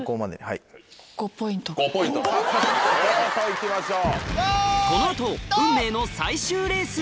いきましょう。